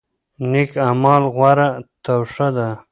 نیک اعمال غوره توښه ده.